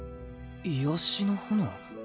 癒しの炎？